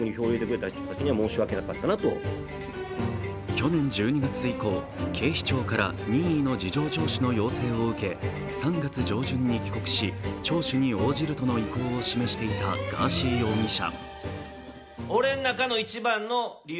去年１２月以降、警視庁から任意の事情聴取の要請を受け３月上旬に帰国し聴取に応じるとの意向を示していたガーシー容疑者。